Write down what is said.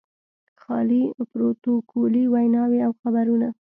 خالي پروتوکولي ویناوې او خبرونه.